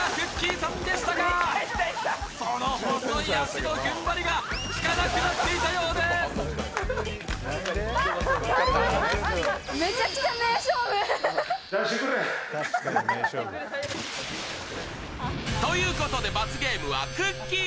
さんでしたがその細い足のふんばりが効かなくなっていたようです。ということで罰ゲームはくっきー！